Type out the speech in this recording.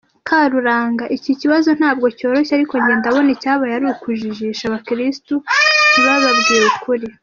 Karuranga: Iki kibazo ntabwo cyoroshye ariko njye ndabona icyabaye ari ukujijisha abakirisitu ntibabwirwe ukuri.